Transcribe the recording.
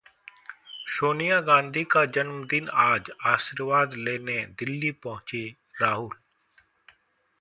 सोनिया गांधी का जन्मदिन आज, आशीर्वाद लेने दिल्ली पहुंचे राहुल